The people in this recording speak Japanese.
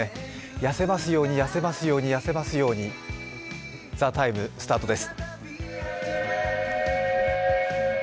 痩せますように、痩せますように、痩せますように、「ＴＨＥＴＩＭＥ，」スタートです。